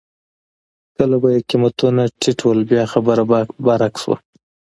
کله به چې قېمتونه ټیټ وو بیا خبره برعکس وه.